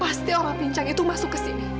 pasti orang pincang itu masuk ke sini